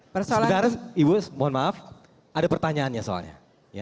sebentar ibu mohon maaf ada pertanyaannya soalnya